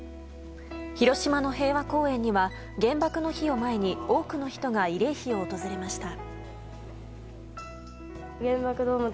広島の平和公園には原爆の日を前に多くの人が慰霊碑を訪れました。